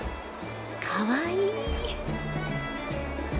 かわいい！